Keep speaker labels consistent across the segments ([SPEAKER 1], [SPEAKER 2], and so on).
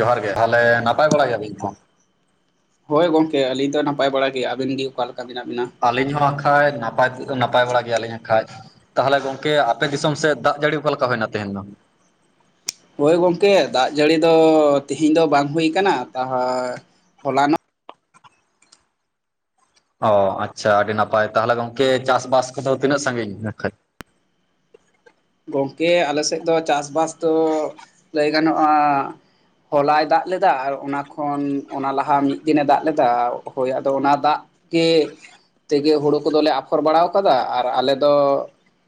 [SPEAKER 1] ᱡᱚᱦᱟᱨ ᱜᱮ ᱛᱟᱦᱚᱞᱮ ᱱᱟᱯᱟᱭ ᱵᱟᱲᱟ ᱜᱮᱭᱟᱵᱤᱱ ᱛᱚ
[SPEAKER 2] ᱦᱳᱭ ᱜᱚᱝᱠᱮ ᱟᱹᱞᱤᱧ ᱫᱚ ᱱᱟᱯᱟᱭ ᱵᱟᱲ ᱜᱮ ᱟᱵᱤᱱ ᱜᱮ ᱚᱠᱟᱞᱮᱠᱟ ᱢᱮᱱᱟᱜ ᱵᱤᱱᱟ
[SPEAKER 1] ᱦᱚᱭ ᱱᱟᱯᱟᱭ ᱱᱟᱯᱟᱭ ᱵᱟᱲᱟ ᱜᱮᱭᱟᱞᱤᱧ ᱦᱟᱜ ᱠᱷᱟᱡ ᱛᱟᱦᱚᱞᱮ ᱜᱚᱝᱠᱮ ᱟᱯᱮ ᱫᱤᱥᱚᱢ ᱥᱮᱫ ᱫᱟᱜ ᱡᱟᱹᱲᱤ ᱚᱠᱟ ᱞᱮᱠᱟ ᱦᱩᱭᱱᱟ ᱛᱟᱦᱮᱸᱧ [unintelligible]
[SPEAKER 2] [unintelligible] ᱦᱳᱭ ᱜᱚᱝᱠᱮ ᱫᱟᱜ ᱡᱟᱹᱲᱤ ᱫᱚ ᱛᱮᱦᱤᱧ ᱫᱚ ᱵᱟᱝ ᱦᱩᱭ ᱠᱟᱱᱟ ᱛᱟᱦᱚᱸ ᱦᱚᱞᱟᱱᱚᱜ
[SPEAKER 1] ᱚ ᱟᱪᱪᱷᱟ ᱟᱹᱰᱤ ᱱᱟᱯᱟᱭ ᱛᱟᱦᱚᱞᱮ ᱜᱚᱢᱠᱮ ᱪᱟᱥᱼᱵᱟᱥ ᱠᱚᱫᱚ ᱛᱤᱱᱟᱹᱜ ᱥᱟᱺᱜᱤᱧ ᱱᱟᱜ ᱠᱷᱟᱡ
[SPEAKER 2] [unintelligible] ᱜᱚᱝᱠᱮ ᱟᱞᱮ ᱥᱮᱫ ᱫᱚ ᱪᱟᱥᱵᱟᱥ ᱫᱚ ᱞᱟᱹᱭ ᱜᱟᱱᱚᱜᱼᱟ ᱦᱚᱞᱟᱭ ᱫᱟᱡᱞᱮᱫᱟ ᱟᱨ ᱚᱱᱟ ᱠᱷᱚᱱ ᱚᱱᱟ ᱞᱟᱦᱟ ᱢᱤᱫ ᱫᱤᱱᱮ ᱫᱟᱜ ᱞᱮᱫᱟ ᱦᱳᱭ ᱟᱫᱚ ᱚᱱᱟ ᱫᱟᱜ ᱜᱮ ᱛᱮᱜᱮ ᱦᱩᱲᱩ ᱠᱚᱫᱚᱞᱮ ᱟᱯᱷᱚᱨ ᱵᱟᱲᱟᱣ ᱠᱟᱫᱟ ᱟᱨ ᱟᱞᱮ ᱫᱚ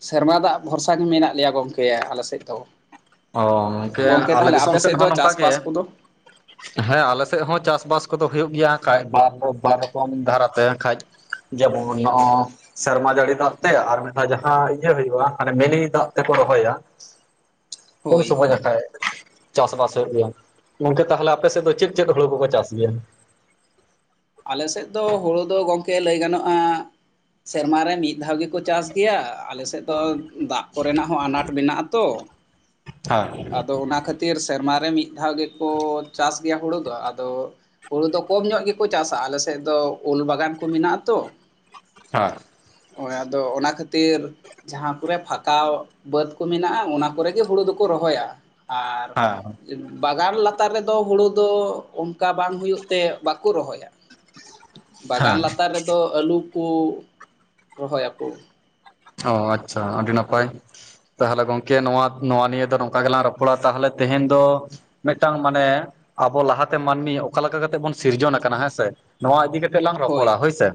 [SPEAKER 2] ᱥᱮᱨᱢᱟ ᱫᱟᱜ ᱵᱷᱚᱨᱥᱟ ᱛᱟᱡ ᱢᱮᱱᱟᱜ ᱞᱮᱭᱟ ᱜᱚᱝᱠᱮ ᱟᱞᱮ ᱥᱮᱫ ᱫᱚ
[SPEAKER 1] ᱚ ᱜᱚᱝᱠᱮ
[SPEAKER 2] ᱜᱚᱢᱠᱮ
[SPEAKER 1] ᱟᱞᱮ
[SPEAKER 2] ᱛᱟᱦᱚᱞᱮ
[SPEAKER 1] ᱫᱤᱥᱚᱢ
[SPEAKER 2] ᱟᱯᱮ
[SPEAKER 1] ᱥᱮᱫ
[SPEAKER 2] ᱫᱚ
[SPEAKER 1] ᱦᱚᱸ ᱱᱚᱝᱠᱟ ᱜᱮ
[SPEAKER 2] ᱪᱟᱥᱵᱟᱥ ᱠᱚᱫᱚ
[SPEAKER 1] ᱦᱮᱸ ᱟᱞᱮ ᱥᱮᱫ ᱦᱚᱸ ᱪᱟᱥᱵᱟᱥ ᱠᱚᱫᱚ ᱦᱩᱭᱩᱜ ᱜᱮᱭᱟ ᱠᱷᱟᱡ ᱟᱨ ᱵᱟᱨ ᱨᱚᱠᱚᱢ ᱫᱷᱟᱨᱟᱛᱮ ᱠᱷᱟᱡ ᱡᱮᱢᱚᱱ ᱱᱚᱜᱼ ᱥᱮᱨᱢᱟ ᱡᱟᱹᱲᱤ ᱫᱟᱜ ᱛᱮ ᱟᱨ ᱢᱤᱫ ᱫᱷᱟᱣ ᱡᱟᱦᱟᱸ ᱤᱭᱟᱹ ᱦᱩᱭᱩᱜᱼᱟ ᱦᱟᱱᱮ ᱢᱤᱱᱤ ᱫᱟᱜ ᱛᱮᱠᱚ ᱨᱚᱦᱚᱭᱟ
[SPEAKER 2] ᱦ [unintelligible]
[SPEAKER 1] ᱠᱚᱞ ᱥᱚᱢᱚᱭ ᱛᱷᱟ [inaudible] ᱪᱟᱥᱵᱟᱥ ᱦᱩᱭᱮᱱ ᱜᱚᱝᱠᱮ ᱛᱟᱦᱞᱮ ᱟᱯᱮ ᱥᱮᱫ ᱫᱚ ᱪᱮᱫ ᱪᱮᱫ ᱦᱩᱲᱩ ᱠᱚᱠᱚ ᱪᱟᱥ ᱜᱮᱭᱟ?
[SPEAKER 2] ᱟᱞᱮ ᱥᱮᱫ ᱫᱚ ᱦᱩᱲᱩ ᱫᱚ ᱜᱚᱝᱠᱮ ᱞᱟᱹᱭ ᱜᱟᱱᱚᱜᱼᱟ ᱥᱮᱨᱢᱟ ᱨᱮ ᱢᱤᱫ ᱫᱷᱟᱣ ᱜᱮᱠᱚ ᱪᱟᱥ ᱜᱮᱭᱟ ᱟᱞᱮ ᱥᱮᱫ ᱫᱚ ᱫᱟᱜᱽ ᱠᱚᱨᱮᱱᱟᱜ ᱦᱚᱸ ᱟᱱᱟᱴ ᱢᱮᱱᱟᱜ-ᱟ ᱛᱚ ᱟᱫᱚ ᱚᱱᱟ ᱠᱷᱟᱹᱛᱤᱨ ᱥᱮᱨᱢᱟ ᱨᱮ ᱢᱤᱫ ᱢᱤᱫ ᱫᱷᱟᱣ ᱜᱮᱠᱚ ᱪᱟᱥ ᱜᱮᱭᱟ ᱦᱩᱲᱩ ᱫᱚ ᱟᱫᱚ ᱦᱩᱲᱩ ᱫᱚ ᱠᱚᱢ ᱧᱚᱜ ᱜᱮ ᱠᱚ ᱪᱟᱥᱟ ᱟᱞᱮ ᱥᱮᱫ ᱫᱚ ᱩᱞ ᱵᱟᱜᱟᱱ ᱠᱚ ᱢᱮᱱᱟᱜ-ᱟ ᱛᱚ
[SPEAKER 1] ᱦᱮᱸ
[SPEAKER 2] ᱦᱚᱭ ᱟᱫᱚ ᱚᱱᱟ ᱠᱷᱟᱹᱛᱤᱨ ᱡᱟᱦᱟᱸ ᱠᱚᱨᱮ ᱯᱷᱟᱠᱟᱣ ᱵᱟᱹᱫ ᱠᱚ ᱢᱮᱱᱟᱜᱼᱟ ᱚᱱᱟ ᱠᱚᱨᱮ ᱜᱮ ᱦᱩᱲᱩ ᱫᱚᱠᱚ ᱨᱚᱦᱚᱭᱟ ᱟᱨ ᱵᱟᱜᱟᱱ ᱞᱟᱛᱟᱨ ᱨᱮᱫᱚ ᱦᱩᱲᱩ ᱫᱚ ᱚᱱᱠᱟ ᱵᱟᱝ ᱦᱩᱭᱩᱜ ᱛᱮ ᱵᱟᱠ ᱵᱟᱠᱚ ᱨᱚᱦᱚᱭᱟ ᱵᱟᱜᱟᱱ ᱞᱟᱛᱟᱨ ᱨᱮᱫᱚ ᱟᱹᱞᱩ ᱠᱚ ᱨᱚᱦᱚᱭᱟ ᱠᱚ
[SPEAKER 1] ᱚ ᱟᱪᱷᱟ ᱟᱹᱰᱤ ᱱᱟᱯᱟᱭ ᱛᱟᱦᱚᱞᱮ ᱜᱚᱝᱠᱮ ᱱᱚᱣᱟ ᱱᱚᱣᱟ ᱱᱤᱭᱟᱹ ᱫᱚ ᱱᱚᱝᱠᱟ ᱜᱮᱞᱟᱝ ᱨᱚᱯᱚᱲᱟ ᱛᱟᱦᱚᱞᱮ ᱛᱮᱦᱮᱧ ᱫᱚ ᱢᱤᱫᱴᱟᱝ ᱢᱟᱱᱮ ᱟᱵᱚ ᱞᱟᱦᱟᱛᱮ ᱢᱟᱹᱱᱢᱤ ᱚᱠᱟ ᱞᱮᱠᱟ ᱠᱟᱛᱮᱜ ᱵᱚᱱ ᱥᱤᱨᱡᱚᱱ ᱟᱠᱟᱱᱟ ᱦᱮᱸ ᱥᱮ ᱱᱚᱶᱟ ᱤᱫᱤ ᱠᱟᱛᱮᱜ ᱞᱟᱝ ᱨᱚᱯᱚᱲᱟ
[SPEAKER 2] ᱦᱳᱭ
[SPEAKER 1] ᱦᱳᱭᱥᱮ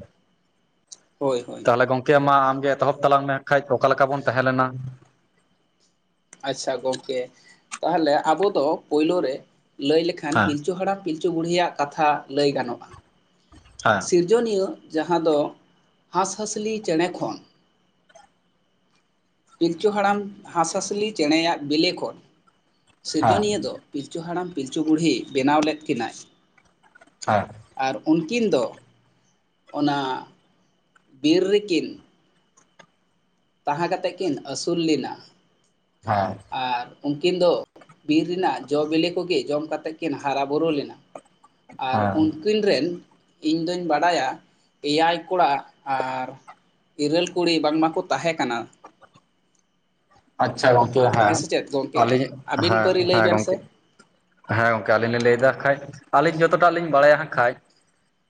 [SPEAKER 2] ᱦᱳᱭ ᱦᱳᱭ
[SPEAKER 1] ᱛᱟᱦᱚᱞᱮ ᱜᱚᱝᱠᱮ ᱢᱟ ᱟᱢᱜᱮ ᱮᱛᱚᱦᱚᱵ ᱛᱟᱞᱟᱝ ᱢᱮ ᱠᱷᱟᱡ ᱚᱠᱟ ᱞᱮᱠᱟ ᱵᱚᱱ ᱛᱟᱦᱮᱸ ᱞᱮᱱᱟ
[SPEAKER 2] ᱟᱪᱪᱷᱟ ᱜᱚᱝᱠᱮ ᱛᱟᱦᱚᱞᱮ ᱟᱵᱚ ᱫᱚ ᱯᱳᱭᱞᱳ ᱨᱮ ᱞᱟᱹᱭ ᱞᱮᱠᱷᱟᱱ
[SPEAKER 1] ᱦᱮᱸ
[SPEAKER 2] ᱯᱤᱞᱪᱩ ᱦᱟᱲᱟᱢ ᱯᱤᱞᱪᱩ ᱵᱩᱲᱦᱤᱭᱟᱜ ᱠᱟᱛᱷᱟ ᱞᱟᱹᱭ ᱜᱟᱱᱚᱜᱼᱟ
[SPEAKER 1] ᱦᱮᱸ
[SPEAKER 2] ᱥᱤᱨᱡᱚᱱᱤᱭᱟᱹ ᱡᱟᱦᱟᱸ ᱫᱚ ᱦᱟᱸᱥᱼᱦᱟᱸᱥᱞᱤ ᱪᱮᱬᱮ ᱠᱷᱚᱱ ᱯᱤᱞᱪᱩ ᱦᱟᱲᱟᱢ ᱦᱟᱸᱥᱼᱦᱟᱸᱥᱞᱤ ᱪᱮᱬᱮ ᱭᱟᱜ ᱵᱤᱞᱤ ᱠᱷᱚᱱ
[SPEAKER 1] ᱦᱮᱸ
[SPEAKER 2] ᱥᱤᱨᱡᱚᱱᱤᱭᱟᱹ ᱫᱚ ᱯᱤᱞᱪᱩ ᱦᱟᱲᱟᱢ ᱯᱤᱞᱪᱩ ᱵᱩᱲᱦᱤᱭ ᱵᱮᱱᱟᱣ ᱞᱮᱫ ᱠᱤᱱᱟᱹᱭ
[SPEAKER 1] ᱦᱮᱸ
[SPEAKER 2] ᱩᱱᱠᱤᱱ ᱫᱚ ᱚᱱᱟ ᱵᱤᱨ ᱨᱮᱠᱤᱱ ᱛᱟᱦᱮᱸ ᱠᱟᱛᱮᱫ ᱠᱤᱱ ᱟᱹᱥᱩᱞ ᱞᱮᱱᱟ
[SPEAKER 1] ᱦᱮᱸ ᱦᱮᱸ
[SPEAKER 2] ᱟᱨ ᱩᱱᱠᱤᱱ ᱫᱚ ᱵᱤᱨ ᱨᱮᱱᱟᱜ ᱡᱚᱵᱤᱞᱤ ᱠᱚᱜᱮ ᱡᱚᱢ ᱠᱟ ᱠᱟᱛᱮᱫ ᱠᱤᱱ ᱦᱟᱨᱟ ᱵᱩᱨᱩ ᱞᱮᱱᱟ ᱟᱨ
[SPEAKER 1] ᱦᱮᱸ
[SPEAKER 2] ᱩᱱᱠᱤᱱ ᱨᱮᱱ ᱤᱧ ᱫᱩᱧ ᱵᱟᱰᱟᱭᱟ ᱮᱭᱟᱭ ᱠᱚᱲᱟ ᱟᱨ ᱤᱨᱟᱹᱞ ᱠᱩᱲᱤ ᱵᱟᱝᱢᱟᱠᱚ ᱛᱟᱦᱮᱸ ᱠᱟᱱᱟ
[SPEAKER 1] ᱟᱪᱷᱟ ᱜᱚᱝᱠᱮ ᱦᱮᱸ
[SPEAKER 2] ᱥᱮ ᱪᱮᱫ ᱜᱚᱢᱠᱮ
[SPEAKER 1] ᱟᱹᱞᱤᱧ
[SPEAKER 2] ᱟᱹᱵᱤᱱ
[SPEAKER 1] ᱦᱮᱸ
[SPEAKER 2] ᱯᱟᱹᱨᱤ ᱞᱟᱹᱭ
[SPEAKER 1] ᱦᱮᱸ
[SPEAKER 2] ᱵᱮᱱ ᱥᱮ
[SPEAKER 1] ᱜᱚᱝᱠᱮ ᱦᱮᱸ ᱜᱚᱝᱠᱮ ᱟᱹᱞᱤᱧ ᱞᱤᱧ ᱞᱟᱹᱭ ᱮᱫᱟ ᱠᱷᱟᱡ ᱟᱹᱞᱤᱧ ᱡᱚᱛᱚᱴᱟᱜ ᱞᱤᱧ ᱵᱟᱲᱟᱭᱟ ᱠᱷᱟᱡ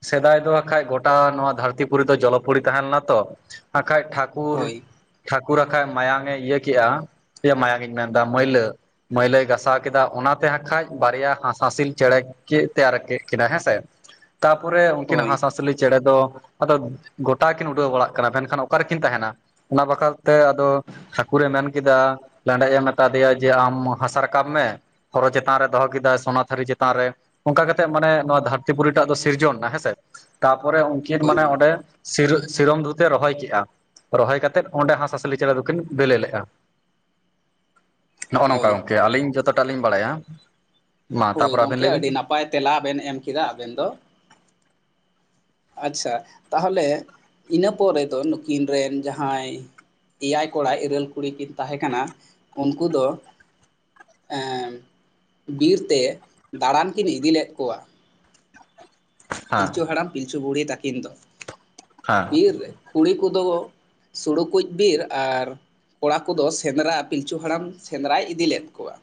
[SPEAKER 1] ᱥᱮᱫᱟᱭ ᱫᱚ ᱵᱟᱠᱷᱟᱡ ᱜᱚᱴᱟ ᱱᱚᱣᱟ ᱫᱷᱟᱹᱨᱛᱤᱯᱩᱨᱤ ᱫᱚ ᱡᱚᱞᱚᱯᱩᱨᱤ ᱛᱟᱦᱮᱸ ᱞᱮᱱᱟ ᱛᱚ ᱠᱷᱟᱡ ᱴᱷᱟᱹᱠᱩᱨ
[SPEAKER 2] ᱦᱳᱭ
[SPEAKER 1] ᱴᱷᱟᱹᱠᱩᱨ ᱠᱷᱟᱡ ᱢᱟᱭᱟᱝ ᱮ ᱤᱭᱟᱹ ᱠᱮᱜᱼᱟ ᱢᱟᱭᱟᱝ ᱤᱧ ᱢᱮᱱᱫᱟ ᱢᱟᱹᱭᱞᱟᱹ ᱢᱟᱹᱭᱞᱟᱹᱭ ᱜᱟᱥᱟᱣ ᱠᱮᱫᱟ ᱚᱱᱟᱛᱮ ᱠᱷᱟᱡ ᱵᱟᱨᱭᱟ ᱦᱟᱥ ᱦᱟᱸᱥᱤᱞ ᱪᱮᱬᱮ ᱠᱤᱱ ᱛᱮᱭᱟᱨ ᱠᱮᱫ ᱠᱤᱱᱟ ᱦᱮᱸᱥᱮ ᱛᱟᱯᱚᱨᱮ ᱩᱱᱠᱤᱱ
[SPEAKER 2] ᱦᱳᱭ
[SPEAKER 1] ᱦᱟᱸᱥᱼᱦᱟᱸᱥᱞᱤ ᱪᱮᱬᱮ ᱫᱚ ᱟᱫᱚ ᱜᱚᱴᱟ ᱠᱤᱱ ᱩᱰᱟᱹᱣ ᱵᱟᱲᱟᱜ ᱠᱟᱱᱟ ᱢᱮᱱᱠᱷᱟᱱ ᱚᱠᱟ ᱨᱮᱠᱤᱱ ᱛᱟᱦᱮᱱᱟ ᱚᱱᱟ ᱵᱟᱠᱷᱨᱟ ᱛᱮ ᱟᱫᱚ ᱴᱷᱟᱠᱩᱨᱮ ᱢᱮᱱ ᱠᱮᱫᱟ ᱞᱟᱹᱭ ᱮ ᱢᱮᱛᱟ ᱫᱮᱭᱟ ᱡᱮ ᱟᱢ ᱦᱟᱥᱟ ᱨᱟᱠᱟᱵ ᱢᱮ ᱦᱚᱨᱚ ᱪᱮᱛᱟᱱ ᱨᱮ ᱫᱚᱦᱚ ᱠᱮᱫᱟ ᱚᱱᱟ ᱛᱷᱟᱹᱨᱤ ᱪᱮᱛᱟᱱ ᱨᱮ ᱚᱱᱠᱟ ᱠᱟᱛᱮᱜ ᱢᱟᱱᱮ ᱱᱚᱣᱟ ᱫᱷᱟᱹᱨᱛᱤ ᱯᱩᱨᱤᱴᱟᱜ ᱫᱚ ᱥᱤᱨᱡᱚᱱ ᱮᱱᱟ ᱦᱮᱸᱥᱮ ᱛᱟ ᱚᱱᱠᱤᱱ
[SPEAKER 2] ᱦᱳᱭ
[SPEAKER 1] ᱢᱟᱱᱮ
[SPEAKER 2] ᱦᱳᱭ
[SPEAKER 1] ᱚᱸᱰᱮ ᱥᱤᱨᱚᱢ ᱫᱩᱛᱮ ᱨᱚᱦᱚᱭ ᱠᱮᱫᱮᱜᱼᱟ ᱨᱚᱦᱚᱭ ᱠᱟᱛᱮᱫ ᱚᱸᱰᱮ ᱦᱟᱸᱥᱞᱤ ᱪᱮᱬᱮ ᱫᱚᱠᱤᱱ ᱵᱮᱞᱮ ᱞᱮᱫᱼᱟ ᱱᱚᱜᱼᱚ ᱱᱚᱝᱠᱟ
[SPEAKER 2] ᱦᱳᱭ
[SPEAKER 1] ᱜᱚᱝᱠᱮ ᱟᱹᱞᱤᱧ ᱡᱚᱛᱚ ᱵᱟᱞᱤᱧ ᱵᱟᱲᱟᱭᱟ ᱢᱟ
[SPEAKER 2] ᱦᱳᱭ
[SPEAKER 1] ᱛᱟᱯᱚᱨᱮ ᱟᱵᱤᱱ
[SPEAKER 2] ᱜᱚᱢᱠᱮ
[SPEAKER 1] ᱞᱟᱹᱭ ᱵᱤᱱ
[SPEAKER 2] ᱟᱹᱰᱤ ᱱᱟᱯᱟᱭ ᱛᱮᱞᱟ ᱵᱮᱱ ᱮᱢ ᱠᱮᱫᱟ ᱟᱵᱮᱱ ᱫᱚ ᱟᱪᱷᱟ ᱛᱟᱦᱚᱞᱮ ᱤᱱᱟᱹ ᱯᱚᱨᱮ ᱫᱚ ᱱᱩᱠᱤᱱ ᱨᱮᱱ ᱡᱟᱦᱟᱸᱭ ᱮᱭᱟᱭ ᱠᱚᱲᱟ ᱤᱨᱟᱹᱞ ᱠᱩᱲᱤ ᱠᱤᱱ ᱛ ᱠᱟᱱᱟ ᱩᱱᱠᱩ ᱫᱚ ᱮᱸ ᱵᱤᱨᱛᱮ ᱫᱟᱬᱟᱱ ᱠᱤᱱ ᱤᱫᱤ ᱞᱮᱫ ᱠᱚᱣᱟ
[SPEAKER 1] ᱦᱮᱸ
[SPEAKER 2] ᱯᱤᱞᱪᱩ ᱦᱟᱲᱟᱢ ᱯᱤᱞᱪᱩ ᱵᱩᱲᱦᱤ ᱛᱟᱹᱠᱤᱱ ᱫᱚ
[SPEAKER 1] ᱦᱮᱸ
[SPEAKER 2] ᱵᱤᱨ ᱨᱮ ᱠᱩᱲᱤ ᱠᱚᱫᱚ ᱥᱩᱲᱩ ᱠᱩᱡ ᱵᱤᱨ ᱟᱨ ᱠᱚᱲᱟ ᱠᱚᱫᱚ ᱥᱮᱸᱫᱽᱨᱟ ᱯᱤᱞᱪᱩ ᱦᱟᱲᱟᱢ ᱥᱮᱸᱫᱽᱨᱟᱭ ᱤᱫᱤ ᱞᱮᱫ ᱠᱚᱣᱟ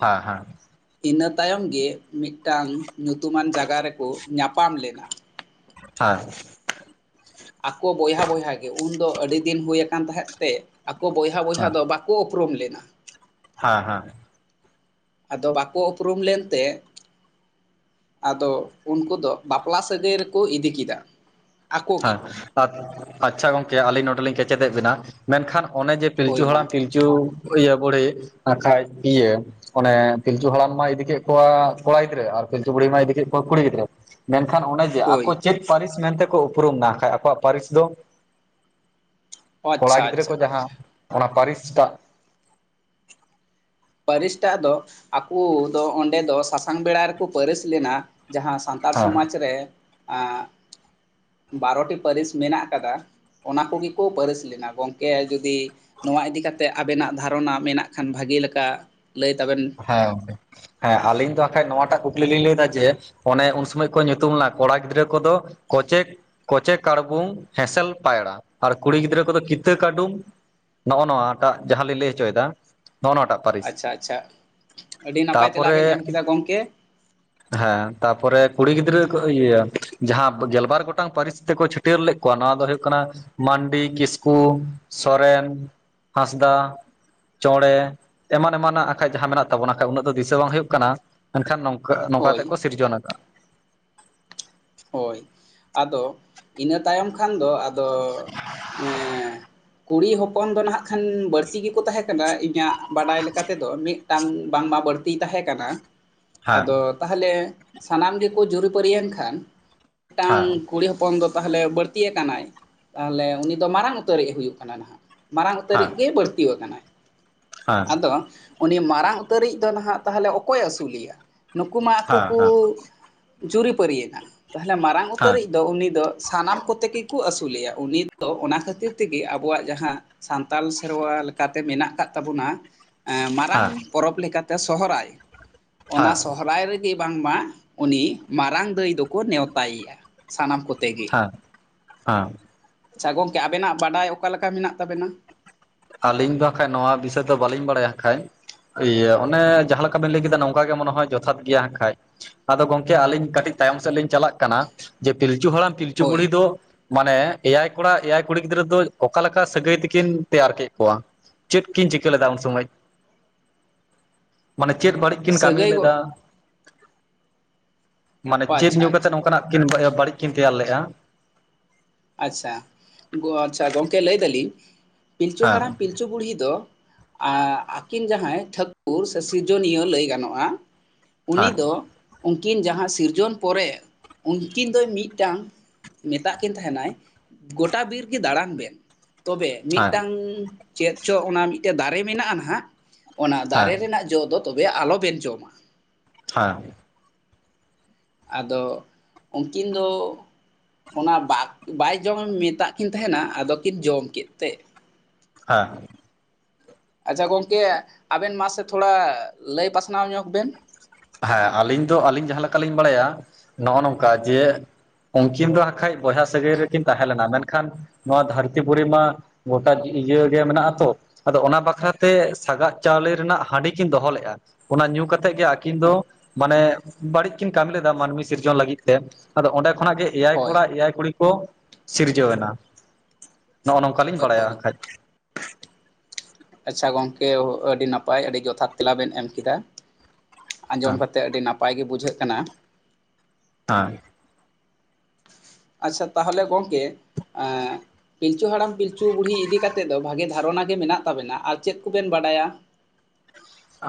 [SPEAKER 1] ᱦᱮᱸ ᱦᱮᱸ
[SPEAKER 2] ᱤᱱᱟᱹ ᱛᱟᱭᱚᱢ ᱜᱮ ᱢᱤᱫᱴᱟᱝ ᱧᱩᱛᱩᱢᱟᱱ ᱡᱟᱜᱟ ᱨᱮᱠᱚ ᱧᱟᱯᱟᱢ ᱞᱮᱱᱟ
[SPEAKER 1] ᱦᱮᱸ
[SPEAKER 2] ᱟᱠᱚ ᱵᱚᱭᱦᱟ ᱵᱚᱭᱦᱟ ᱜᱮ ᱩᱱᱫᱚ ᱟᱹᱰᱤ ᱫᱤᱱ ᱦᱩᱭ ᱟᱠᱟᱱ ᱛᱟᱦᱮᱸᱫ ᱛᱮ ᱟᱠᱚ ᱵᱚᱭᱦᱟ ᱵᱚᱭᱦᱟ
[SPEAKER 1] ᱦᱮᱸ
[SPEAKER 2] ᱫᱚ ᱵᱟᱠᱚ ᱩᱯᱨᱩᱢ ᱞᱮᱱᱟ
[SPEAKER 1] ᱦᱮᱸ ᱦᱮᱸ
[SPEAKER 2] ᱟᱫᱚ ᱵᱟᱠᱚ ᱩᱯᱨᱩᱢ ᱞᱮᱱᱛᱮ ᱟᱫᱚ ᱩᱱᱠᱩ ᱫᱚ ᱵᱟᱯᱞᱟ ᱥᱟᱹᱜᱟᱹᱭ ᱨᱮᱠᱚ ᱤᱫᱤ ᱠᱮᱫᱟ ᱟᱠᱚ ᱜᱮ
[SPEAKER 1] ᱦᱮᱸ ᱟᱪᱪᱷᱟ ᱜᱚᱝᱠᱮ ᱟᱹᱞᱤᱧ ᱱᱚᱰᱮᱮᱞᱤᱧ ᱠᱮᱪᱮᱫᱮᱜ ᱵᱮᱱᱟ ᱢᱮᱱᱠᱷᱟᱱ ᱚᱱᱮ ᱡᱮ
[SPEAKER 2] ᱦᱳᱭ
[SPEAKER 1] ᱯᱤᱞᱪᱩ
[SPEAKER 2] ᱢᱟ
[SPEAKER 1] ᱦᱟᱲᱟᱢ ᱯᱤᱞᱪᱩ ᱤᱭᱟᱹ ᱵᱩᱲᱦᱤ ᱟᱨᱠᱷᱟᱡ ᱤᱭᱟᱹ ᱚᱱᱮ ᱯᱤᱞᱪᱩ ᱦᱟᱲᱟᱢ ᱢᱟᱭ ᱤᱫᱤ ᱠᱮᱫ ᱠᱚᱣᱟ ᱠᱚᱲᱟ ᱜᱤᱫᱽᱨᱟᱹ ᱟᱨ ᱯᱩᱲᱤ ᱢᱟᱭ ᱤᱫᱤ ᱠᱚᱣᱟ ᱠᱩᱲᱤ ᱜᱤᱫᱽᱨᱟᱹ ᱮᱠᱷᱟᱱ ᱚᱱᱮ ᱡᱮ
[SPEAKER 2] ᱦᱳᱭ
[SPEAKER 1] ᱟᱠᱚ ᱪᱮᱫ ᱯᱟᱹᱨᱤᱥ ᱢᱮᱱᱛᱮᱠᱚ ᱩᱯᱨᱩᱢ ᱮᱱᱟ ᱠᱷᱟᱱᱡ ᱟᱠᱚᱣᱟᱜ ᱯᱟᱹᱨᱤᱥ ᱫᱚ ᱠᱚᱲᱟ
[SPEAKER 2] ᱟᱪᱪᱷᱟ
[SPEAKER 1] ᱜᱤᱫᱽᱨᱟᱹ
[SPEAKER 2] ᱟᱪᱪᱷᱟ᱾
[SPEAKER 1] ᱠᱚ ᱡᱟᱦᱟᱸ ᱚᱱᱟ ᱯᱟᱹᱨᱤᱥᱴᱟᱜ
[SPEAKER 2] ᱯᱟᱹᱨᱤᱥᱴᱟᱜ ᱫᱚ ᱟᱠᱳ ᱫᱚ ᱚᱸᱰᱮ ᱫᱚ ᱥᱟᱥᱟᱝ ᱵᱮᱲᱟ ᱨᱮᱠᱚ ᱯᱟᱹᱨᱤᱥ ᱞᱮᱱᱟ ᱡᱟᱦᱟᱸ ᱥᱟᱱᱛᱟᱲ
[SPEAKER 1] ᱦᱮᱸ
[SPEAKER 2] ᱥᱚᱢᱟᱡᱽ ᱨᱮ ᱵᱟᱨᱚᱴᱤ ᱯᱟᱹᱨᱤᱥ ᱢᱮᱱᱟᱜ ᱠᱟᱫᱟ ᱚᱱᱟ ᱠᱳᱜᱮ ᱠᱚ ᱯᱟᱹᱨᱤᱥ ᱞᱮᱱᱟ ᱜᱚᱢᱠᱮ ᱡᱳᱫᱤ ᱱᱚᱣᱟ ᱤᱫᱤ ᱠᱟᱛᱮ ᱟᱵᱮᱱᱟᱜ ᱫᱷᱟᱨᱚᱱᱟ ᱢᱮᱱᱟᱜ ᱠᱷᱟᱱ ᱵᱷᱟᱜᱤ ᱞᱮᱠᱟ ᱞᱟᱹᱭ ᱛᱟᱵᱮᱱ
[SPEAKER 1] ᱦᱚᱸ ᱮ ᱟᱹᱞᱤᱧ ᱫᱚ ᱵᱟᱠᱷᱟᱡ ᱱᱚᱣᱟᱴᱟᱜ ᱠᱩᱠᱞᱤ ᱞᱤᱧ ᱞᱟᱹᱭᱫᱟ ᱡᱮ ᱚᱱᱮ ᱩᱱ ᱥᱚᱢᱚᱭ ᱠᱚ ᱧᱩᱛᱩᱢᱱᱟ ᱠᱚᱲᱟ ᱜᱤᱫᱽᱨᱟᱹ ᱠᱚᱫᱚ ᱠᱚᱪᱮᱠ ᱠᱚᱪᱮ ᱠᱟᱲ ᱵᱩᱝ ᱮᱥᱮᱞ ᱯᱟᱭᱨᱟ ᱟᱨ ᱠᱩᱲᱤ ᱜᱤᱫᱽᱨᱟᱹ ᱠᱚᱫᱚ ᱠᱤᱛᱟᱹ ᱠᱟᱰᱩᱢ ᱱᱚᱜ-ᱚ ᱱᱚᱣᱟᱴᱟᱜ ᱡᱟᱦᱟᱸᱞᱤᱧ ᱞᱟᱹᱭ ᱦᱚᱪᱚᱭᱮᱫᱟ ᱱᱚᱜ-ᱚ ᱱᱚᱣᱟᱴᱟᱜ ᱯᱟᱹᱨᱤᱥ
[SPEAKER 2] ᱟᱪᱪᱷᱟ ᱟᱪᱪᱷᱟ ᱟᱹᱰᱤ ᱱᱟᱯᱟᱭ
[SPEAKER 1] ᱛᱟᱯᱚ
[SPEAKER 2] ᱛᱮᱞᱟ
[SPEAKER 1] ᱨᱮ
[SPEAKER 2] ᱵᱮᱱ ᱮᱢ ᱠᱮᱫᱟ ᱜᱚᱢᱠᱮ
[SPEAKER 1] ᱦᱮᱸ ᱯᱟ ᱛᱟᱯᱚᱨᱮ ᱠᱩᱲᱤ ᱜᱤᱫᱽᱨᱟᱹ ᱤᱭᱟᱹ ᱡᱟᱦᱟᱸ ᱯ ᱯᱚᱨᱮ ᱠᱩᱲᱤ ᱜᱤᱫᱽᱨᱟᱹ ᱠᱚ ᱡᱟᱸᱦᱟ ᱜᱮᱞᱵᱟᱨ ᱜᱚᱴᱟᱝ ᱯᱟᱹᱨᱤᱥ ᱛᱮᱠᱚ ᱪᱷᱟᱹᱴᱭᱟᱹᱨ ᱞᱮᱫ ᱠᱳᱣᱟ ᱱᱚᱣᱟ ᱫᱚ ᱦᱩᱭᱩᱜ ᱠᱟᱱᱟ ᱢᱟᱱᱰᱤ ᱠᱤᱥᱠᱩ ᱥᱚᱨᱮᱱ ᱦᱟᱸᱥᱫᱟ ᱪᱚᱬᱮ ᱮᱢᱟᱱ ᱮᱢᱟᱱᱟᱜ ᱟᱠ ᱠᱷᱟᱡ ᱡᱟᱸᱦᱟ ᱢᱮᱱᱟᱜ ᱛᱟᱵᱚᱱᱟ ᱠᱷᱟᱱ ᱩᱱᱟᱹᱜ ᱫᱚ ᱫᱤᱥᱟᱹ ᱵᱟᱝ ᱦᱩᱭᱩᱜ ᱠᱟᱱᱟ ᱢᱮᱱᱠᱷᱟᱱ ᱱᱚᱝᱠᱟ ᱱᱚᱝᱠᱟ ᱠᱟᱛᱮ
[SPEAKER 2] ᱦᱳᱭ
[SPEAKER 1] ᱠᱚ ᱥᱤᱨᱡᱚᱱ ᱟᱠᱟ-ᱟᱜ
[SPEAKER 2] ᱦᱳᱭ ᱟᱫᱚ ᱤᱱᱟᱹ ᱛᱟᱭᱚᱢ ᱠᱷᱟᱱ ᱫᱚ ᱟᱫᱚ ᱠᱩᱲᱤ ᱦᱚᱯᱚᱱ ᱫᱚ ᱱᱟᱟᱜ ᱠᱷᱟᱱ ᱵᱟᱹᱲᱛᱤ ᱜᱮᱠᱚ ᱛᱟᱦᱮᱸ ᱠᱟᱱᱟ ᱤᱧᱟᱹᱜ ᱵᱟᱰᱟᱭ ᱞᱮᱠᱟ ᱛᱮᱫᱚ ᱢᱤᱫᱴᱟᱝ ᱵᱟᱝᱢᱟ ᱵᱟᱹᱲᱛᱤᱭ ᱛᱟᱸᱦᱮ ᱠᱟᱱᱟ
[SPEAKER 1] ᱦᱮᱸ
[SPEAKER 2] ᱟᱫᱚ ᱛᱟᱦᱚᱞᱮ ᱥᱟᱱᱟᱢ ᱜᱮᱠᱚ ᱡᱩᱨᱤ ᱯᱟᱹᱨᱤᱭᱮᱱ ᱠᱷᱟᱱ ᱢᱤᱫᱴᱟᱝ
[SPEAKER 1] ᱦᱮᱸ ᱦᱮᱸ ᱦᱮᱸ ᱦᱮᱸ ᱦᱮᱸ
[SPEAKER 2] ᱠᱩᱲᱤ ᱦᱚᱯᱚᱱ ᱫᱚ ᱛᱟᱦᱚᱞᱮ ᱵᱟᱹᱲᱛᱤ ᱟᱠᱟᱱᱟᱭ ᱛᱟᱦᱚᱞᱮ ᱩᱱᱤ ᱫᱚ ᱢᱟᱨᱟᱝ ᱩᱛᱟᱹᱨᱤᱡ ᱦᱩᱭᱩᱜ ᱠᱟᱱᱟ ᱱᱟᱦᱟᱜ ᱢᱟᱨᱟᱝ ᱩᱛᱟᱹᱨᱤᱡ ᱜᱮᱭ ᱵᱟᱹᱲᱛᱤ ᱟᱠᱟᱱᱟᱭ ᱟᱫᱚ ᱩᱱᱤ ᱢᱟᱨᱟᱝ ᱩᱛᱟᱹᱨᱤᱡ ᱫᱚ ᱱᱟᱦᱟᱜ ᱛᱟᱦᱚᱞᱮ ᱚᱠᱚᱭ ᱟᱹᱥᱩᱞᱮᱭᱟ ᱱᱩᱠᱩ ᱢᱟ ᱟᱠᱚ ᱠᱳ ᱡᱩᱨᱤ ᱯᱟᱹᱨᱤ ᱭᱮᱱᱟ ᱛᱟᱦᱚᱞᱮ ᱢᱟᱨᱟᱝ ᱩᱛᱟᱹᱨᱤᱡ ᱫᱚ ᱩᱱᱤ ᱫᱚ ᱥᱟᱱᱟᱢ ᱠᱚᱛᱮ ᱜᱮ ᱠᱚ ᱟᱹᱥᱩᱞᱮᱭᱟ ᱩᱱᱤ ᱫᱚ ᱚᱱᱟ ᱠᱷᱟᱹᱛᱤᱨ ᱛᱮᱜᱮ ᱟᱵᱚᱣᱟᱜ ᱡᱟᱸᱦᱟ ᱥᱟᱱᱛᱟᱞ ᱥᱮᱨᱣᱟ ᱞᱮᱠᱟᱛᱮ ᱢᱮᱱᱟᱜ ᱠᱟᱫ ᱛᱟᱵᱚᱱᱟ ᱮ ᱢᱟᱨᱟᱝ
[SPEAKER 1] ᱦᱮᱸ
[SPEAKER 2] ᱯᱚᱨᱚᱵᱽ ᱞᱮᱠᱟᱛᱮ ᱥᱚᱦᱨᱟᱭ
[SPEAKER 1] ᱦᱮᱸ
[SPEAKER 2] ᱚᱱᱟ
[SPEAKER 1] ᱦᱮᱸ
[SPEAKER 2] ᱥᱚᱦᱨᱟᱭ ᱨᱮ ᱜᱮ ᱵᱟᱝᱢᱟ ᱩᱱᱤ ᱢᱟᱨᱟᱝ ᱫᱟᱹᱭ ᱫᱚᱠᱚ ᱱᱮᱣᱛᱟᱭᱮᱭᱟ ᱥᱟᱱᱟᱢ ᱠᱚ
[SPEAKER 1] ᱦᱟᱸ ᱦᱟᱸ
[SPEAKER 2] ᱟᱪᱪᱷᱟ ᱜᱚᱝᱠᱮ ᱟᱵᱮᱱᱟᱜ ᱵᱟᱰᱟᱭ ᱚᱠᱟ ᱞᱮᱠᱟ ᱢᱮᱱᱟᱜ ᱛᱟᱵᱮᱱᱟ
[SPEAKER 1] ᱟᱹᱞᱤᱧ ᱵᱟᱠᱷᱟᱡ ᱱᱚᱣᱟ ᱵᱤᱥᱚᱭ ᱫᱚ ᱵᱟᱹᱞᱤᱧ ᱵᱟᱲᱟᱭᱟ ᱟᱠᱷᱟᱡ ᱤᱭᱟᱹ ᱚᱱᱮ ᱡᱟᱦᱟᱸ ᱞᱮᱠᱟ ᱵᱤᱱ ᱞᱟᱹᱭ ᱠᱮᱫᱟ ᱱᱚᱝᱠᱟ ᱜᱮ ᱢᱚᱱᱮ ᱦᱚ ᱡᱚᱛᱷᱟᱛ ᱜᱮᱭᱟ ᱮᱠᱷᱟᱡ ᱟᱫᱚ ᱜᱚᱝᱠᱮ ᱟᱹᱞᱤᱧ ᱠᱟᱹᱴᱤᱡ ᱛᱟᱭᱚᱢ ᱥᱮᱫ ᱞᱤᱧ ᱪᱟᱞᱟᱜ ᱠᱟᱱᱟ ᱡᱮ ᱯᱤᱞᱪᱩ ᱦᱟᱲᱟᱢ ᱯᱤᱞᱪᱩ
[SPEAKER 2] ᱦᱳᱭ
[SPEAKER 1] ᱵᱩᱲᱦᱤ ᱫᱚ ᱢᱟᱱᱮ ᱮᱭᱟᱭ ᱠᱚᱲᱟ ᱮᱭᱟᱭ ᱠᱩᱲᱤ ᱜᱤᱫᱽᱨᱟᱹ ᱫᱚ ᱚᱠᱟ ᱞᱮᱠᱟ ᱥᱟᱹᱜᱟᱹᱭ ᱛᱮᱠᱤᱱ ᱛᱮᱭᱟᱨ ᱠᱮᱫ ᱠᱳᱣᱟ ᱪᱮᱫ ᱠᱤᱱ ᱪᱤᱠᱟᱹ ᱞᱮᱫᱟ ᱩᱱ ᱥᱚᱢᱚᱭ ᱢᱟᱱᱮ ᱪᱮᱫ ᱵᱟᱹᱲᱤᱡ ᱠᱤᱱ ᱠᱟᱹᱢᱤ
[SPEAKER 2] ᱥᱟᱹᱜᱟᱹᱭ ᱜᱚ
[SPEAKER 1] ᱞᱮᱫᱟ ᱢᱟᱱᱮ ᱪᱮᱫ ᱧᱩ
[SPEAKER 2] ᱟᱪᱪᱷᱟ
[SPEAKER 1] ᱠᱟᱛᱮᱫ
[SPEAKER 2] ᱟᱪᱪᱷᱟ
[SPEAKER 1] ᱱᱚᱝᱠᱟᱱᱟᱜ ᱠᱤᱱ ᱵᱟᱹᱲᱤᱡ ᱠᱤᱱ ᱛᱮᱭᱟᱨ ᱞᱮᱫᱜ-ᱟ
[SPEAKER 2] ᱟᱪᱪᱷᱟ ᱜᱳ ᱟᱪᱪᱷᱟ ᱜᱚᱝᱠᱮ ᱞᱟᱹᱭ ᱫᱟᱞᱤᱧ ᱯᱤᱞᱪᱩ ᱦᱟᱲᱟᱢ
[SPEAKER 1] ᱦᱮᱸ
[SPEAKER 2] ᱯᱤᱞᱪᱩ ᱵᱩᱲᱦᱤ ᱫᱚ ᱟᱹᱠᱤᱱ ᱡᱟᱦᱟᱸᱭ ᱴᱷᱟᱹᱠᱩᱨ ᱥᱮ ᱥᱤᱨᱡᱚᱱᱤᱭᱟᱹ ᱞᱟᱹᱭ ᱜᱟᱱᱚᱜ-ᱟ ᱩ ᱱᱤ
[SPEAKER 1] ᱦᱮᱸ
[SPEAKER 2] ᱫᱚ ᱩᱱᱠᱤᱱ ᱡᱟᱦᱟᱸ ᱥᱤᱨᱡᱚᱱ ᱯᱚᱨᱮ ᱩᱱᱠᱤᱱ ᱫᱚᱭ ᱢᱤᱫᱴᱟᱝ ᱢᱮᱛᱟᱜ ᱠᱤᱱ ᱫᱚ ᱛᱟᱦᱮᱱᱟᱭ ᱜᱳᱴᱟ ᱵᱤᱨ ᱜᱮ ᱫᱟᱬᱟᱱ ᱵᱮᱱ ᱛᱚᱵᱮ
[SPEAKER 1] ᱦᱮᱸ
[SPEAKER 2] ᱢᱤᱫᱴᱟᱝ ᱪᱮᱫ ᱪᱚ ᱚᱱᱟ ᱢᱤᱫᱴᱮᱡ ᱫᱟᱨᱮ ᱢᱮᱱᱟᱜ-ᱟ ᱟᱱᱦᱟᱜ ᱚᱱᱟ ᱫᱟᱨᱮ
[SPEAKER 1] ᱦᱮᱸ
[SPEAKER 2] ᱨᱮᱱᱟᱜ ᱡᱚ ᱫᱚ ᱛᱚᱵᱮ ᱟᱞᱚᱵᱤᱱ ᱡᱚᱢᱟ
[SPEAKER 1] ᱦᱟᱸ
[SPEAKER 2] ᱟᱫᱚ ᱩᱱᱠᱤᱱ ᱫᱚ ᱚᱱᱟ ᱵᱟᱠ ᱵᱟᱭ ᱡᱚᱢ ᱢᱮᱛᱟᱜ ᱠᱤᱱ ᱛᱟᱦᱮᱱᱟ ᱟᱫᱚ ᱠᱤᱱ ᱡᱚᱢ ᱠᱮᱫ ᱛᱮ
[SPEAKER 1] ᱦᱟᱸ
[SPEAKER 2] ᱟᱪᱪᱷᱟ ᱜᱚᱝᱠᱮ ᱟᱵᱮᱱ ᱢᱟᱥᱮ ᱛᱷᱳᱲᱟ ᱞᱟᱹᱭ ᱯᱟᱥᱱᱟᱣ ᱧᱚᱜ ᱵᱮᱱ
[SPEAKER 1] ᱦᱮᱸ ᱟᱹᱞᱤᱧ ᱫᱚ ᱟᱹᱞᱤᱧ ᱡᱟᱦᱟᱸ ᱞᱮᱠᱟ ᱞᱤᱧ ᱵᱟᱲᱟᱭᱟ ᱱᱚᱜ-ᱚ ᱱᱚᱝᱠᱟ ᱡᱮ ᱩᱱᱠᱤᱱ ᱫᱚ ᱟᱠᱷᱟᱡ ᱵᱚᱭᱦᱟ ᱥᱟᱹᱜᱟᱹᱭ ᱨᱮᱠᱤᱱ ᱛᱟᱦᱮᱸ ᱞᱮᱱᱟ ᱢᱮᱱᱠᱷᱟᱱ ᱱᱚᱣᱟ ᱫᱷᱟᱹᱨᱛᱤ ᱯᱩᱨᱤ ᱢᱟ ᱜᱚᱴᱟ ᱤᱭᱚ ᱜᱮ ᱢᱮᱱᱟᱜ ᱟᱛᱚ ᱟᱫᱚ ᱚᱱᱟ ᱵᱟᱠᱷᱨᱟᱛᱮ ᱥᱟᱜᱟᱫ ᱪᱟᱣᱞᱮ ᱨᱮᱱᱟᱜ ᱦᱟᱺᱰᱤ ᱠᱤᱱ ᱫᱚᱦᱚ ᱞᱮᱫ-ᱟ ᱚᱱᱟ ᱧᱩ ᱠᱟᱛᱮ ᱜᱮ ᱟᱹᱠᱤᱱ
[SPEAKER 2] ᱦᱳᱭ
[SPEAKER 1] ᱫᱚ ᱢᱟᱱᱮ ᱵᱟᱹᱲᱤᱡ ᱠᱤᱱ ᱠᱟᱹᱢᱤ ᱞᱮᱫᱟ ᱢᱟᱹᱱᱢᱤ ᱥᱤᱨᱡᱚᱱ ᱞᱟᱹᱜᱤᱫ ᱛᱮ ᱟᱫᱚ ᱚᱸᱰᱮ ᱠᱷᱚᱱᱟᱜ ᱜᱮ ᱮᱭᱟᱭ
[SPEAKER 2] ᱦᱳᱭ
[SPEAKER 1] ᱠᱚᱲᱟ ᱮᱭᱟᱭ ᱠᱩᱲᱤ ᱠᱚ ᱥᱤᱨᱡᱟᱹᱣ ᱮᱱᱟ ᱱᱚᱜᱼᱚ ᱱᱚᱝᱠᱟ ᱞᱤᱧ ᱵᱟᱲᱟᱭᱟ
[SPEAKER 2] ᱦᱳᱭ
[SPEAKER 1] [unintelligible]
[SPEAKER 2] ᱟᱪᱪᱷᱟ ᱜᱚᱢᱠᱮ ᱟᱹᱰᱤ ᱱᱟᱯᱟᱭ ᱟᱹᱰᱤ ᱡᱚᱛᱷᱟᱛ ᱛᱮᱞᱟ ᱵᱮᱱ ᱮᱢ ᱠᱮᱫᱟ ᱟᱸᱡᱚᱢ
[SPEAKER 1] ᱦᱮᱸ
[SPEAKER 2] ᱠᱟᱛᱮᱜ ᱟᱹᱰᱤ ᱱᱟᱯᱟᱭ ᱜᱮ ᱵᱩᱡᱷᱟᱹᱜ ᱠᱟᱱᱟ
[SPEAKER 1] ᱦᱮᱸ
[SPEAKER 2] ᱟᱪᱪᱷᱟ ᱛᱟᱦᱞᱮ ᱜᱚᱢᱠᱮ ᱮ ᱯᱤᱞᱪᱩ ᱦᱟᱲᱟᱢ ᱯᱤᱞᱪᱩ ᱵᱩᱲᱦᱤ ᱤᱫᱤ ᱠᱟᱛᱮᱫ ᱫᱚ ᱵᱷᱟᱜᱮ ᱫᱷᱟᱨᱚᱱᱟ ᱜᱮ ᱢᱮᱱᱟᱜ ᱛᱟᱵᱮᱱᱟ ᱟᱨ ᱪᱮᱫ ᱠᱚᱵᱮᱱ ᱵᱟᱰᱟᱭᱟ [inaudible]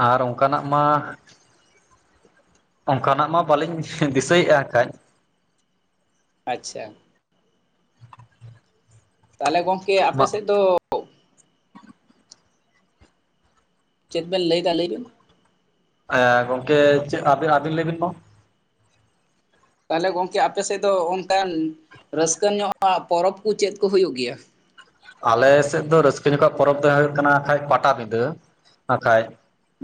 [SPEAKER 1] ᱟᱨ ᱚᱱᱠᱟᱱᱟᱜ ᱢᱟ ᱚᱱᱠᱟᱱᱟᱜ ᱢᱟ ᱵᱟᱹᱞᱤᱧ ᱫᱤᱥᱟᱹᱭᱮᱫᱼᱟ ᱠᱷᱟᱸᱡ
[SPEAKER 2] ᱟᱪᱪᱷᱟ ᱛᱟᱦᱚᱞᱮ ᱜᱚᱝᱠᱮ ᱟᱯᱮ
[SPEAKER 1] ᱢᱟ
[SPEAKER 2] ᱥᱮᱫ ᱫᱚ ᱪᱮᱫ ᱵᱮᱱ ᱞᱟᱹᱭ ᱫᱟ ᱞᱟᱹᱭ ᱵᱤᱱ
[SPEAKER 1] ᱦᱮᱸ ᱜᱚᱢᱠᱮ ᱪᱮᱫ ᱟᱹᱵᱤᱱᱟᱹᱵᱤᱱ ᱞᱟᱹᱭ ᱵᱤᱱ ᱢᱟ
[SPEAKER 2] ᱛᱟᱦᱞᱮ ᱜᱚᱢᱠᱮ ᱟᱯᱮ ᱥᱮᱫ ᱫᱚ ᱚᱱᱠᱟᱱ ᱨᱟᱹᱥᱠᱟᱹ ᱧᱚᱜ ᱟ ᱯᱚᱨᱚᱵᱽ ᱠᱚ ᱪᱮᱫ ᱠᱚ ᱦᱩᱭᱩᱜ ᱜᱮᱭᱟ
[SPEAKER 1] ᱟᱞᱮ ᱥᱮᱫ ᱫᱚ ᱨᱟᱹᱥᱠᱟᱹ ᱧᱚᱠᱷᱟ ᱯᱚᱨᱚᱵᱽ ᱫᱚ ᱦᱩᱭᱩᱜ ᱠᱟᱱᱟ ᱠᱷᱟᱡ ᱯᱟᱴᱟᱵᱤᱫᱟᱹ ᱵᱟᱠᱷᱟᱡ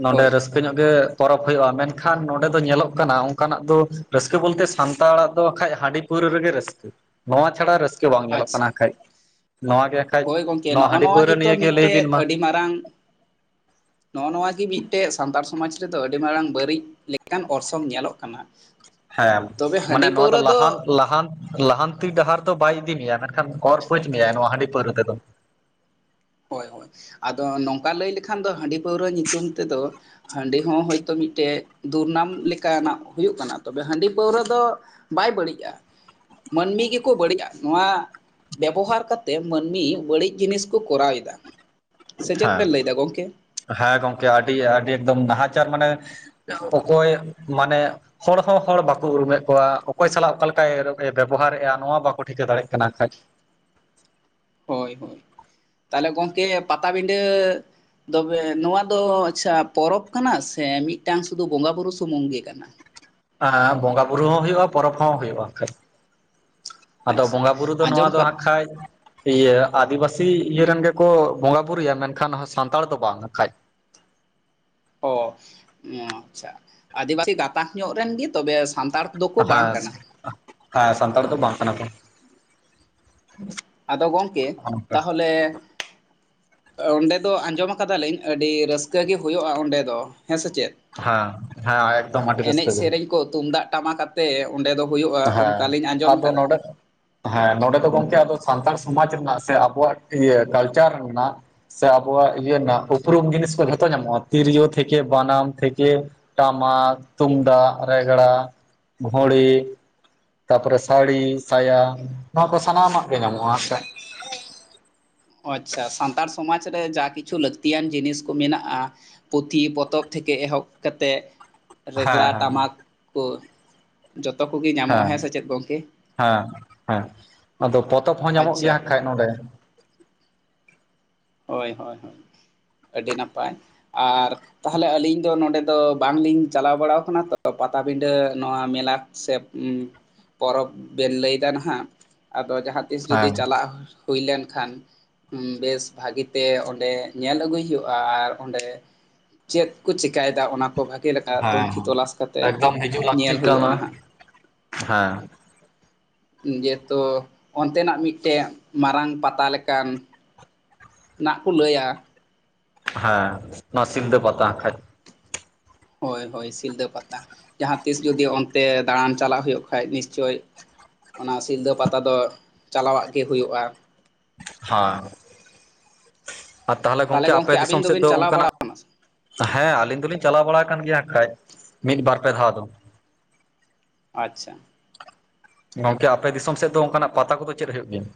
[SPEAKER 1] ᱱᱚᱰᱮ
[SPEAKER 2] ᱦᱳᱭ
[SPEAKER 1] ᱨᱟᱹᱥᱠᱟᱹ ᱧᱚᱜ ᱜᱮ ᱯᱚᱨᱚᱵᱽ ᱦᱩᱭᱩᱜᱼᱟ ᱢᱮᱱᱠᱷᱟᱱ ᱱᱚᱰᱮ ᱫᱚ ᱧᱮᱞᱚᱜ ᱠᱟᱱᱟ ᱚᱱᱠᱟᱱᱟᱜ ᱫᱚ ᱨᱟᱹᱥᱠᱟᱹ ᱵᱚᱞᱛᱮ ᱥᱟᱱᱛᱟᱲᱟᱜ ᱫᱚ ᱠᱷᱟᱡ ᱦᱟᱺᱰᱤ ᱯᱟᱹᱣᱨᱟᱹ ᱨᱮᱜᱮ ᱨᱟᱹᱥᱠᱟᱹ ᱱᱚᱣᱟ ᱪᱷᱟᱲᱟ ᱨᱟᱹᱥᱠᱟᱹ ᱵᱟᱝ ᱧᱮᱞᱚᱜ
[SPEAKER 2] ᱟᱪᱪᱷᱟ
[SPEAKER 1] ᱠᱟᱱᱟ ᱠᱷᱟᱡ ᱱᱚᱣᱟ ᱜᱮ ᱠᱷᱟᱡ
[SPEAKER 2] ᱦᱳᱭ ᱜᱚᱝᱠᱮ ᱱᱚᱜᱼᱚ
[SPEAKER 1] ᱦᱟᱺᱰᱤ
[SPEAKER 2] ᱱᱚᱣᱟ
[SPEAKER 1] ᱯᱟᱹᱣᱨᱟᱹ
[SPEAKER 2] ᱜᱮᱛᱚ
[SPEAKER 1] ᱱᱤᱭᱮ ᱜᱮ ᱞᱟᱹᱭ
[SPEAKER 2] ᱢᱤᱫᱴᱮᱱ
[SPEAKER 1] ᱵᱤᱱ ᱢᱟ
[SPEAKER 2] ᱟᱹᱰᱤ ᱢᱟᱨᱟᱝ ᱱᱚᱜᱼᱚ ᱱᱚᱣᱟ ᱜᱮ ᱢᱤᱫᱴᱮᱡ ᱥᱟᱱᱛᱟᱲ ᱥᱚᱢᱟᱡᱽ ᱨᱮᱫᱚ ᱟᱹᱰᱤ ᱢᱟᱨᱟᱝ ᱵᱟᱹᱲᱤᱡ ᱞᱮᱠᱟᱱ ᱚᱨᱥᱚᱝ ᱧᱮᱞᱚᱜ ᱠᱟᱱᱟ
[SPEAKER 1] ᱦᱮᱸ
[SPEAKER 2] ᱛᱚᱵᱮ
[SPEAKER 1] ᱢᱟᱱᱮ
[SPEAKER 2] ᱦᱟᱺᱰᱤ
[SPEAKER 1] ᱱᱚᱣᱟ ᱫᱚ
[SPEAKER 2] ᱯᱟᱹᱣᱨᱟᱹ
[SPEAKER 1] ᱞᱟᱦᱟᱱ ᱞᱟᱦᱟᱱ ᱞᱟᱦᱟᱱᱛᱤ ᱰᱟᱦᱟᱨ ᱫᱚ ᱵᱟᱭ ᱤᱫᱤ ᱢᱮᱭᱟ ᱚᱨ ᱯᱟᱹᱪ ᱢᱮᱭᱟᱭ ᱱᱚᱣᱟ ᱦᱟᱹᱰᱤ ᱯᱟᱹᱣᱨᱟᱹ ᱛᱮᱫᱚ
[SPEAKER 2] ᱦᱳᱭ ᱦᱳᱭ ᱟᱫᱚ ᱱᱚᱝᱠᱟ ᱞᱟᱹᱭ ᱞᱮᱠᱷᱟᱱ ᱫᱚ ᱦᱟᱺᱰᱤ ᱯᱟᱹᱣᱨᱟᱹ ᱧᱩᱛᱩᱢ ᱛᱮᱫᱚ ᱦᱟᱺᱰᱤ ᱦᱚᱸ ᱦᱭᱛᱚ ᱢᱤᱫᱴᱮᱡ ᱫᱩᱨᱱᱟᱢ ᱞᱮᱠᱟᱱᱟᱜ ᱦᱩᱭᱩᱜ ᱠᱟᱱᱟ ᱛᱚᱵᱮ ᱦᱟᱺᱰᱤ ᱯᱟᱹᱣᱨᱟᱹ ᱫᱚ ᱵᱟᱭ ᱵᱟᱹᱲᱤᱡᱼᱟ ᱢᱟᱹᱱᱢᱤ ᱜᱮᱠᱚ ᱵᱟᱹᱲᱤᱡᱼᱟ ᱱᱚᱣᱟ ᱵᱮᱵᱚᱦᱟᱨ ᱠᱟᱛᱮᱫ ᱢᱟᱹᱱᱢᱤ ᱵᱟᱹᱲᱤᱡ ᱡᱤᱱᱤᱥ ᱠᱚ ᱠᱚᱨᱟᱣ ᱮᱫᱟ ᱥᱮ ᱪᱮᱫ
[SPEAKER 1] ᱦᱮᱸ
[SPEAKER 2] ᱵᱮᱱ ᱞᱟᱹᱭ ᱮᱫᱟ ᱜᱚᱝᱠᱮ
[SPEAKER 1] ᱦᱮᱸ ᱜᱚᱢᱠᱮ ᱟᱹᱰᱤ ᱟᱹᱰᱤ ᱮᱠᱫᱚᱢ ᱱᱟᱦᱟᱪᱟᱨ ᱢᱟᱱᱮ ᱚᱠᱚᱭ ᱢᱟᱱᱮ ᱦᱚᱲ ᱦᱚᱸ ᱦᱚᱲ ᱵᱟᱠᱚ ᱩᱨᱩᱢᱮᱫ ᱠᱚᱣᱟ ᱚᱠᱚᱭ ᱥᱟᱞᱟᱜ ᱚᱠᱟ ᱞᱮᱠᱟᱭ ᱵᱮᱵᱚᱦᱟᱨᱮᱫᱼᱟ ᱱᱚᱣᱟ ᱵᱟᱠᱚ ᱴᱷᱤᱠᱟᱹ ᱫᱟᱲᱮᱭᱟᱜ ᱠᱟᱱᱟ ᱠᱷᱟᱡ
[SPEAKER 2] ᱦᱳᱭ ᱦᱳᱭ ᱛᱟᱦᱞᱮ ᱜᱚᱢᱠᱮ ᱯᱟᱛᱟᱵᱤᱸᱰᱟᱹ ᱛᱚᱵᱮ ᱱᱚᱣᱟ ᱫᱚ ᱟᱪᱪᱷᱟ ᱯᱚᱨᱚᱵᱽ ᱠᱟᱱᱟ ᱥᱮ ᱢᱤᱫᱴᱟᱱ ᱥᱩᱫᱩ ᱵᱚᱸᱜᱟᱼ ᱵᱩᱨᱩ ᱥᱩᱢᱩᱝ ᱜᱮ ᱠᱟᱱᱟ
[SPEAKER 1] ᱮ ᱵᱚᱸᱜᱟ ᱵᱩᱨᱩ ᱦᱚᱸ ᱦᱩᱭᱩᱜᱼᱟ ᱯᱚᱨᱚᱵᱽ ᱦᱚᱸ ᱦᱩᱭᱩᱜᱼᱟ ᱟᱫᱚ
[SPEAKER 2] ᱟᱪᱪᱷᱟ
[SPEAKER 1] ᱵᱚᱸᱜᱟ ᱵᱩᱨᱩ ᱫᱚ ᱱᱚᱣᱟ
[SPEAKER 2] ᱟᱸᱡᱚᱢ
[SPEAKER 1] ᱫᱚ
[SPEAKER 2] ᱠᱟᱫ
[SPEAKER 1] ᱦᱟᱸᱜᱠᱷᱟᱡ ᱤᱭᱟᱹ ᱟᱹᱫᱤᱵᱟᱹᱥᱤ ᱥᱤ ᱤᱭᱟᱹ ᱨᱮᱱ ᱜᱮᱠᱚ ᱵᱚᱸᱜᱟ ᱵᱩᱨᱩᱭᱟ ᱢᱮᱱᱠᱷᱟᱱ ᱥᱟᱱᱛᱟᱲ ᱫᱚ ᱵᱟᱝ ᱠᱷᱟᱡ
[SPEAKER 2] ᱚ ᱟᱪᱪᱷᱟ ᱟᱹᱫᱤᱵᱟᱹᱥᱤ ᱜᱟᱛᱟᱠ ᱧᱚᱜ ᱨᱮᱱ ᱜᱮ ᱛᱚᱵᱮ ᱥᱟᱱᱛᱟᱲ ᱫᱚᱠᱚ ᱵᱟᱝ
[SPEAKER 1] ᱦᱮᱸ
[SPEAKER 2] ᱠᱟᱱᱟ
[SPEAKER 1] ᱦᱮᱸ ᱥᱟᱱᱛᱟᱲ ᱫᱚ ᱵᱟᱝ ᱠᱟᱱᱟ ᱠᱚ
[SPEAKER 2] ᱟᱫᱚ ᱜᱚᱢᱠᱮ ᱛᱟᱦᱚᱞᱮ ᱚᱸᱰᱮ ᱫᱚ ᱟᱸᱡᱚᱢ ᱟᱠᱟᱫᱟ ᱞᱤᱧ ᱟᱹᱰᱤ ᱨᱟᱹᱥᱠᱟᱹ ᱜᱮ ᱦᱩᱭᱩᱜᱼᱟ ᱚᱸᱰᱮ ᱫᱚ ᱦᱮᱸ ᱥᱮ ᱪᱮᱫ
[SPEAKER 1] ᱦᱮᱸ ᱦᱮᱸ ᱮᱠᱫᱚᱢ ᱟᱹᱰᱤ
[SPEAKER 2] ᱮᱱᱮᱡ
[SPEAKER 1] ᱨᱟᱹᱥᱠᱟᱹ ᱜᱮ
[SPEAKER 2] ᱥᱮᱨᱮᱧ ᱠᱚ ᱛᱩᱢᱫᱟᱜ ᱴᱟᱢᱟᱠ ᱟᱛᱮ ᱚᱸᱰᱮ ᱫᱚ ᱦᱩᱭᱩᱜᱼᱟ
[SPEAKER 1] ᱦᱮᱸ
[SPEAKER 2] ᱚᱱᱠᱟᱞᱤᱧ ᱟᱸᱡᱚᱢ
[SPEAKER 1] ᱟᱫᱚ
[SPEAKER 2] ᱟᱠᱟᱫᱟ
[SPEAKER 1] ᱱᱚᱰᱮ ᱦᱮᱸ ᱱᱚᱰᱮ ᱫᱚ ᱜᱚᱝᱠᱮ ᱟᱫᱚ ᱥᱟᱱᱛᱟᱲ ᱥᱚᱢᱟᱡᱽ ᱨᱮᱱᱟᱜ ᱥᱮ ᱟᱵᱚᱣᱟᱜ ᱤᱭᱟᱹ ᱠᱟᱞᱪᱟᱨ ᱨᱮᱱᱟᱜ ᱥᱮ ᱟᱵᱚᱣᱟᱜ ᱤᱭᱟᱹ ᱨᱮᱱᱟᱜ ᱩᱯᱨᱩᱢ ᱡᱤᱱᱤᱥ ᱠᱚ ᱡᱷᱚᱛᱚ ᱧᱟᱢᱚᱜᱼᱟ ᱛᱤᱨᱭᱳ ᱛᱷᱮᱠᱮ ᱵᱟᱱᱟᱢ ᱛᱷᱮᱠᱮ ᱴᱟᱢᱟᱠ ᱛᱩᱢᱫᱟᱜ ᱨᱮᱜᱽᱲᱟ ᱜᱷᱳᱲᱤ ᱛᱟᱨ ᱯᱚᱨᱮ ᱥᱟᱹᱲᱤ ᱥᱟᱭᱟ ᱱᱚᱣᱟ ᱠᱚ ᱥᱟᱱᱟᱢᱟᱜ ᱜᱮ ᱧᱟᱢᱚᱜᱼᱟ ᱥᱮ
[SPEAKER 2] [inaudible] ᱟᱪᱪᱷᱟ ᱥᱟᱱᱛᱟᱲ ᱥᱚᱢᱟᱡᱽ ᱨᱮ ᱡᱟ ᱠᱤᱪᱷᱩ ᱞᱟᱹᱠᱛᱤᱭᱟᱱ ᱡᱤᱱᱤᱥ ᱠᱚ ᱢᱮᱱᱟᱜᱼᱟ ᱯᱩᱛᱷᱤ ᱯᱚᱛᱚᱵ ᱛᱷᱮᱠᱮ ᱮᱦᱚᱵ ᱠᱟᱛᱮᱫ ᱨᱮᱜᱽᱲᱟ
[SPEAKER 1] ᱦᱮᱸ
[SPEAKER 2] ᱴᱟᱢᱟᱠ ᱠᱚ ᱡᱚᱛᱚ ᱠᱚᱜᱮ ᱧᱟᱢᱚᱜᱼᱟ
[SPEAKER 1] ᱦᱮᱸ
[SPEAKER 2] ᱥᱮ ᱪᱮᱫ ᱜᱚᱢᱠᱮ
[SPEAKER 1] ᱦᱮᱸ ᱦᱮᱸ ᱟᱫᱚ ᱯᱚᱛᱚᱵ ᱦᱚᱸ ᱧᱟᱢᱚᱜ ᱜᱮᱭᱟ
[SPEAKER 2] ᱟᱪᱪᱷᱟ
[SPEAKER 1] ᱟᱸᱜ ᱠᱷᱟᱱᱮ ᱱᱚᱰᱮ
[SPEAKER 2] ᱦᱳᱭ ᱦᱳᱭ ᱟᱹᱰᱤ ᱱᱟᱯᱟᱭ ᱟᱨ ᱛᱟᱦᱚᱞᱮ ᱟᱹᱞᱤᱧ ᱫᱚ ᱱᱚᱰᱮ ᱫᱚ ᱵᱟᱝᱞᱤᱧ ᱪᱟᱞᱟᱣ ᱵᱟᱲᱟᱣ ᱠᱟᱱᱟ ᱛᱚ ᱯᱟ ᱯᱟᱴᱟᱵᱤᱸᱰᱟᱹ ᱱᱚᱣᱟ ᱢᱮᱞᱟ ᱥᱮ ᱯᱚᱨᱚᱵᱽ ᱵᱮᱱ ᱞᱟᱹᱭᱮᱫᱟ ᱱᱟᱜ ᱟᱫᱚ ᱡᱟᱦᱟᱸ ᱛᱤᱥ ᱡᱩᱫᱤ
[SPEAKER 1] ᱦᱮᱸ
[SPEAKER 2] ᱪᱟᱞᱟᱜ ᱦᱩᱭ ᱞᱮᱱ ᱠᱷᱟᱱ ᱵᱮᱥ ᱵᱷᱟᱹᱜᱤᱛᱮ ᱚᱸᱰᱮ ᱧᱮᱞ ᱟᱹᱜᱩᱭ ᱦᱩᱭᱩᱜᱼᱟ ᱟᱨ ᱚᱸᱰᱮ ᱪᱮᱫ ᱠᱚ ᱪᱮᱠᱟᱭᱮᱫᱟ ᱚᱱᱟ ᱠᱚ ᱵᱷᱟᱜᱮ ᱞᱮᱠᱟ
[SPEAKER 1] ᱦᱮᱸ
[SPEAKER 2] ᱛᱩᱱᱠᱷᱤ ᱛᱚᱞᱟᱥ ᱠᱟᱛᱮᱜ
[SPEAKER 1] ᱮᱠᱫᱚᱢ ᱦᱤᱡᱩᱜ
[SPEAKER 2] ᱧᱮᱞ
[SPEAKER 1] ᱞᱟᱹᱠᱛᱤᱜ
[SPEAKER 2] ᱦᱩᱭᱩᱜᱼᱟ
[SPEAKER 1] ᱠᱟᱱᱟ
[SPEAKER 2] ᱱᱟᱦᱟᱜ
[SPEAKER 1] ᱦᱮᱸ
[SPEAKER 2] ᱡᱮᱦᱮᱛᱩ ᱚᱱᱛᱮᱱᱟᱜ ᱢᱤᱫᱴᱮᱱ ᱢᱟᱨᱟᱝ ᱯᱟᱛᱟ ᱞᱮᱠᱟᱱ ᱱᱟᱜ ᱠᱚ ᱞᱟᱹᱭᱟ
[SPEAKER 1] ᱦᱮᱸ ᱱᱚᱣᱟ ᱥᱤᱞᱫᱟᱹ ᱯᱟᱛᱟ ᱠᱷᱟᱡ
[SPEAKER 2] [inaudible] ᱦᱳᱭ ᱦᱳᱭ ᱥᱤᱞᱫᱟᱹ ᱯᱟᱛᱟ ᱡᱟᱦᱟᱸ ᱛᱤᱥ ᱡᱩᱫᱤ ᱚᱱᱛᱮ ᱫᱟᱬᱟᱱ ᱪᱟᱞᱟᱜ ᱦᱩᱭᱩᱜ ᱠᱷᱟᱡ ᱱᱤᱥᱪᱳᱭ ᱚᱱᱟ ᱥᱤᱞᱫᱟᱹ ᱯᱟᱛᱟ ᱫᱚ ᱪᱟᱞᱟᱣᱟᱜ ᱜᱮ ᱦᱩᱭᱩᱜᱼᱟ
[SPEAKER 1] ᱦᱮᱸ ᱟᱨ ᱛᱟᱦᱚᱞᱮ ᱜᱚᱝᱠᱮ ᱟᱯᱮ
[SPEAKER 2] ᱟᱹᱵᱤᱱ
[SPEAKER 1] ᱫᱤᱥᱚᱢ ᱥᱮᱫ
[SPEAKER 2] ᱫᱚᱵᱤᱱ
[SPEAKER 1] ᱫᱚ
[SPEAKER 2] ᱪᱟᱞᱟᱣ ᱵᱟᱲᱟ
[SPEAKER 1] ᱚᱱᱠᱟᱱᱟᱜ
[SPEAKER 2] ᱟᱠᱟᱱᱟ ᱥᱮ?
[SPEAKER 1] ᱦᱮᱸ ᱟᱹᱞᱤᱧ ᱫᱩᱞᱤᱧ ᱪᱟᱞᱟᱣ ᱵᱟᱲᱟ ᱟᱠ ᱠᱟᱱ ᱜᱮᱭᱟ ᱠᱷᱟᱱ ᱢᱤᱫ ᱵᱟᱨ ᱯᱮ ᱫᱷᱟᱣ ᱫᱚ
[SPEAKER 2] ᱟᱪᱪᱷᱟ
[SPEAKER 1] ᱜᱚᱝᱠᱮ ᱟᱯᱮ ᱫᱤᱥᱚᱢ ᱥᱮᱫ ᱫᱚ ᱚᱱᱠᱟᱱᱟᱜ ᱯᱟᱛᱟ ᱠᱚᱫᱚ ᱪᱮᱫ ᱦᱩᱭᱩᱜ ᱜᱮᱭᱟ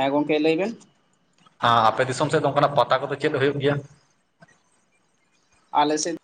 [SPEAKER 2] ᱦᱮᱸ ᱜᱚᱢᱠᱮ ᱞᱟᱹᱭ ᱵᱮᱱ
[SPEAKER 1] ᱦᱮᱸ ᱟᱯᱮ ᱫᱤᱥᱚᱢ ᱥᱮᱫ ᱫᱚ ᱚᱱᱠᱟᱱᱟᱜ ᱯᱟᱛᱟ ᱠᱚᱫᱚ ᱪᱮᱫ ᱦᱩᱭᱩᱜ ᱜᱮᱭᱟ
[SPEAKER 2] ᱟᱞᱮ ᱥᱮᱡ